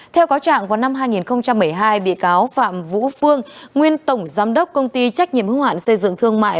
theo có trạng vào năm hai nghìn một mươi hai bịa cáo phạm vũ phương nguyên tổng giám đốc công ty trách nhiệm hoạn xây dựng thương mại